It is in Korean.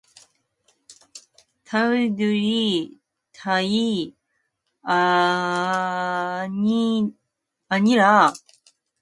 닭도리탕이 아니라 닭볶음탕이라고 말하는 사람들이 있긴 해.